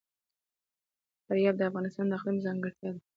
فاریاب د افغانستان د اقلیم ځانګړتیا ده.